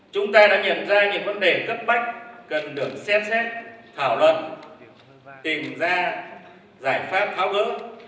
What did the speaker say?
chúng ta đã nhận ra những vấn đề cấp bách cần được xem xét thảo luận và tìm ra giải pháp tháo gỡ